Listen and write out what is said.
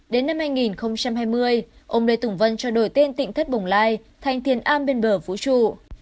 đến năm hai nghìn hai mươi ông lê tùng vân cho đổi tên tỉnh thất bồng lai thành thiên am bên bờ vũ trụ